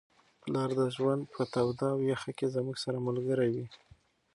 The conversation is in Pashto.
پلار د ژوند په توده او یخه کي زموږ سره ملګری وي.